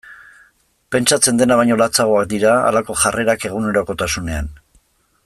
Pentsatzen dena baino latzagoak dira halako jarrerak egunerokotasunean.